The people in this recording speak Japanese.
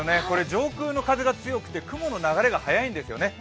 上空の風が強くて雲の流れが速いんですよね。